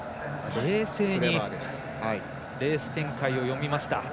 冷静にレース展開を読みました。